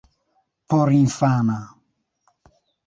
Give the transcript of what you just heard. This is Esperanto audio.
porinfana